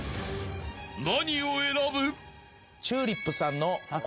［何を選ぶ？］